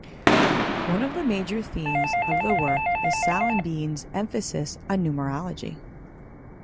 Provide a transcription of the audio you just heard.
One of the major themes of the work is Salimbene's emphasis on numerology.